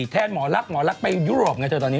หมอรักหมอรักไปยุโรปไงเธอตอนนี้